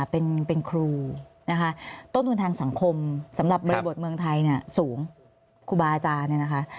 เป็นครูนะคะต้นทุนทางสังคมสำหรับบริบทเมืองไทยเนี่ยสูงครูบาอาจารย์เนี่ยนะคะ